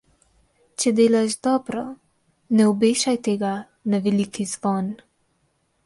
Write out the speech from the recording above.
Če delaš dobro, ne obešaj tega na veliki zvon.